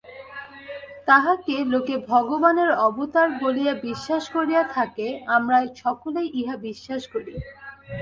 তাঁহাকে লোকে ভগবানের অবতার বলিয়া বিশ্বাস করিয়া থাকে, আমরা সকলেই ইহা বিশ্বাস করি।